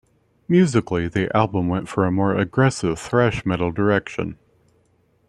Musically, the album went for a more aggressive thrash metal direction.